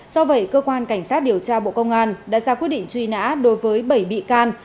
do vậy cơ quan cảnh sát điều tra bộ công an đã ra quyết định truy nã đối với bảy bị can